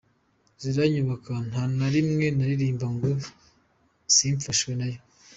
Ziranyubaka, nta na rimwe naririmba ngo simfashwe nayo.